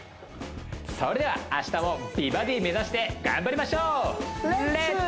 それでは明日も美バディ目指して頑張りましょうレッツ！